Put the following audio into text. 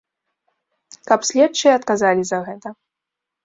Каб следчыя адказалі за гэта.